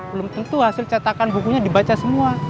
belum tentu hasil cetakan bukunya dibaca semua